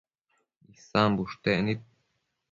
Isan bushtec nid